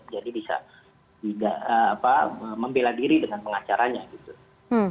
jadi bisa membelah diri dengan pengacaranya gitu